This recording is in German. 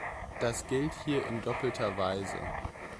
Das gilt hier in doppelter Weise.